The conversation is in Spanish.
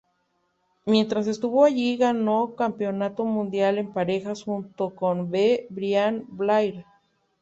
Mientras estuvo allí ganó Campeonato Mundial en Parejas junto con B. Brian Blair.